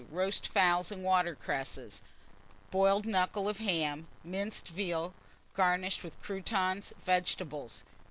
Roast fowls and water cresses, boiled knuckle of ham, minced veal garnished with croutons; vegetables.